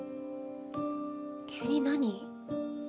急に何？